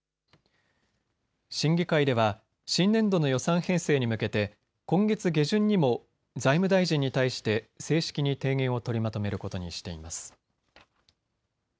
審議会では新年度の予算編成に向けて今月下旬にも財務大臣に対して正式に提言を取りまとめることにしています。